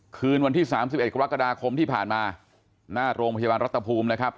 คืนวันที่๓๑กรกฎาคมที่ผ่านมาหน้าโรงพยาบาลรัฐภูมินะครับ